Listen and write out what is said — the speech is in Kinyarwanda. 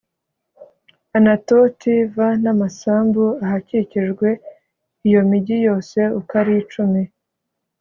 anatoti v n amasambu ahakikije iyo migi yose uko ari cumi